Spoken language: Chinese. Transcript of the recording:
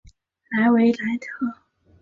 莱维莱特。